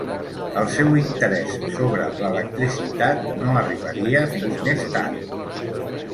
El seu interès sobre l'electricitat no arribaria fins més tard.